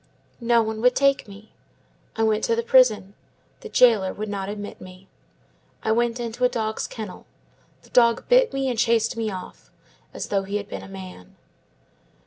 No one would take me. I went to the prison; the jailer would not admit me. I went into a dog's kennel; the dog bit me and chased me off, as though he had been a man.